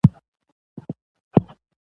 په لمونځ کولو سره زړه ارامه وې زما شخصي تجربه